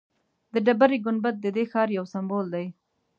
د ډبرې ګنبد ددې ښار یو سمبول دی.